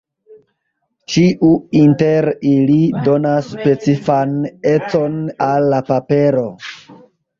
Ĉiu inter ili donas specifan econ al la papero.